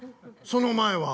その前は？